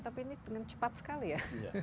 tapi ini dengan cepat sekali ya